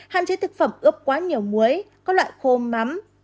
hạn chế thực phẩm ướp quá nhiều muối có loại khô mắm